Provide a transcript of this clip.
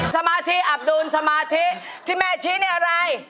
สมาธิอับดูลสมาธิที่แม่ชี้เนี่ยอะไร